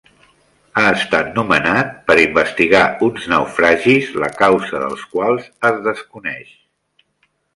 Ha estat nomenat per investigar uns naufragis la causa dels quals es desconeix.